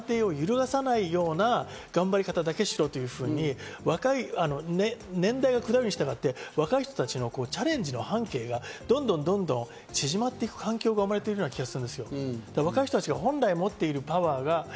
むしろ上の安定を揺るがさないような頑張り方だけしろというふうに年代が下るにしたがって若い人たちのチャレンジの半径がどんどんどんどん縮まっていく環境が生まれているような気がする。